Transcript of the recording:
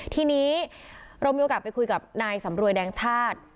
ทีนี้เรามีโอกาสไปคุยกับนายสำรวยแดงชาติ